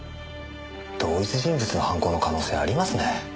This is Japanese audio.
同一人物の犯行の可能性ありますね。